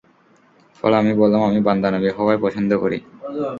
ফলে আমি বললামঃ আমি বান্দা নবী হওয়াই পছন্দ করি।